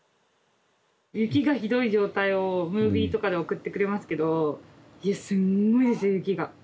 雪がひどい状態をムービーとかで送ってくれますけどいやすんごいですよ雪が。